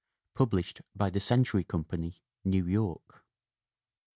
Published by the Century Company, New York.